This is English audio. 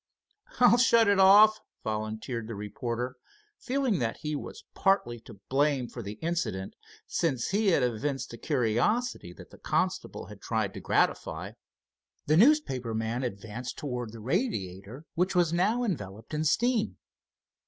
"I'll shut it off," volunteered the reporter, feeling that he was partly to blame for the incident, since he had evinced a curiosity that the constable had tried to gratify. The newspaper man advanced toward the radiator, which was now enveloped in steam.